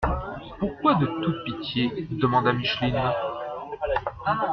—«Pourquoi «de toute pitié»? demanda Micheline.